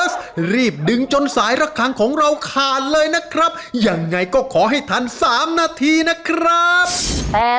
ตรงหน่อยตรงให้เร็วตรงให้เร็ว